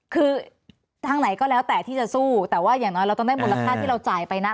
คือทางไหนก็แล้วแต่ที่จะสู้แต่ว่าอย่างน้อยเราต้องได้มูลค่าที่เราจ่ายไปนะ